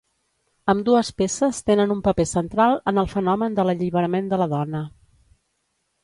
Ambdues peces tenen un paper central en el fenomen de l'alliberament de la dona.